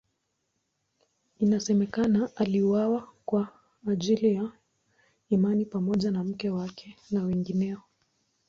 Inasemekana aliuawa kwa ajili ya imani pamoja na mke wake na wengineo.